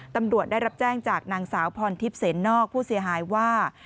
ตำรวจได้รับแจ้งจากนางสาวพรทิพย์เสนนอกผู้เสียหายว่า